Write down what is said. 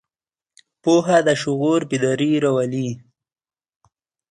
پوهه د شعور بیداري راولي.